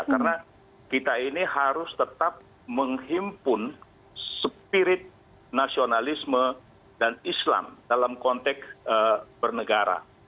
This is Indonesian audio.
karena kita ini harus tetap menghimpun spirit nasionalisme dan islam dalam konteks bernegara